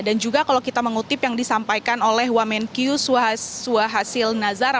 dan juga kalau kita mengutip yang disampaikan oleh wamenkyu suhasil nazara